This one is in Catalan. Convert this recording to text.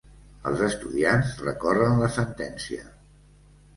Els estudiants recorren la sentència